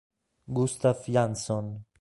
Gustaf Jansson